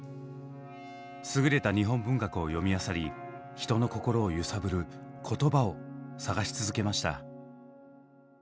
すぐれた日本文学を読みあさり人の心を揺さぶる「言葉」を探し続けました。